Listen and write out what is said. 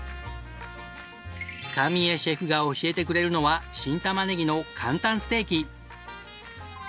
神谷シェフが教えてくれるのは新たまねぎの簡単ステーキ。